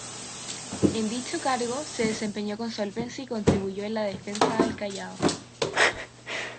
En dicho cargo se desempeñó con solvencia y contribuyó en la defensa del Callao.